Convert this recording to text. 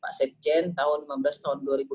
pak sekjen tahun lima belas tahun dua ribu dua puluh